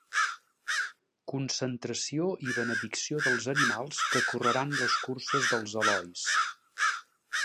Concentració i benedicció dels animals que correran les curses dels Elois.